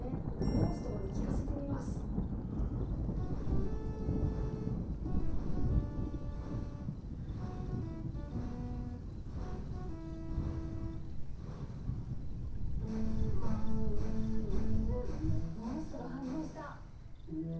モンストロ反応した！